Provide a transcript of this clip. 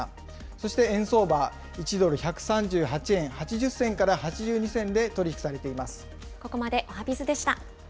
そして円相場、１ドル１３８円８０銭から８２銭で取り引きされています。